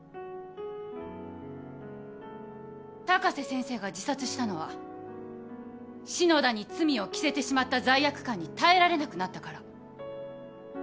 高瀬先生が自殺したのは篠田に罪を着せてしまった罪悪感に耐えられなくなったから。